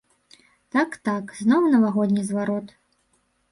Так-так, зноў навагодні зварот.